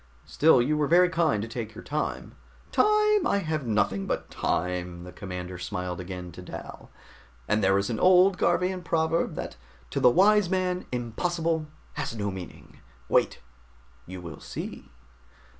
Still, you were very kind to take your time " "Time? I have nothing but time." The commander smiled again at Dal. "And there is an old Garvian proverb that to the wise man 'impossible' has no meaning. Wait, you will see!"